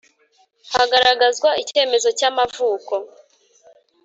Hagaragazwa icyemezo cy ‘amavuko.